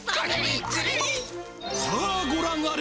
さあごらんあれ。